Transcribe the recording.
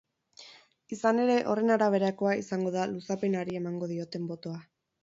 Izan ere, horren araberakoa izango da luzapenari emango dioten botoa.